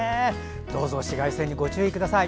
どうぞ紫外線にご注意ください。